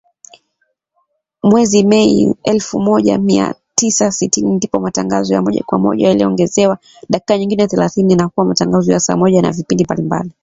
Mwezi Mei, elfu moja mia tisa sitini, ndipo matangazo ya moja kwa moja yaliongezewa dakika nyingine thelathini na kuwa matangazo ya saa moja na vipindi mbalimbali